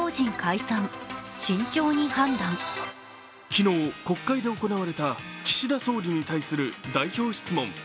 昨日国会で行われた、岸田総理に対する代表質問。